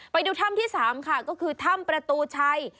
ไปดูถ้ำที่๓ค่ะก็คือถ้ำประตูชัย